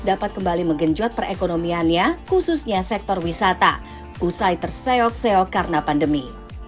dapat kembali menggenjot perekonomiannya khususnya sektor wisata usai terseok seok karena pandemi